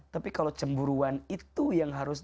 tapi kalau cemburuan itu yang harus